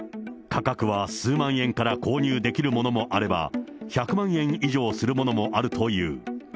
価格は数万円から購入できるものもあれば、１００万円以上するものもあるという。